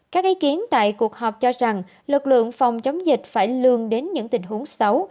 các ý kiến tại cuộc họp cho rằng lực lượng phòng chống dịch phải lương đến những tình huống xấu